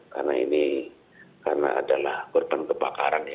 karena ini adalah korban kebakaran ya